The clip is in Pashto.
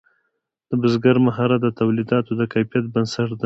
د بزګر مهارت د تولیداتو د کیفیت بنسټ دی.